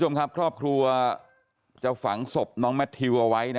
จับนิ้วน้องชี้นี่